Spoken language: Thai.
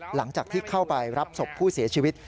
หลังจากที่เข้าไปรับศพผู้เสียชีวิต